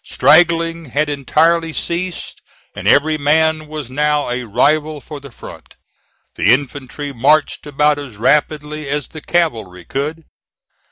Straggling had entirely ceased, and every man was now a rival for the front. The infantry marched about as rapidly as the cavalry could.